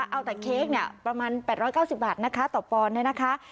เอาแต่เค้กเนี่ยประมาณ๘๙๐บาทนะคะต่อปอนด์เนี่ยนะคะ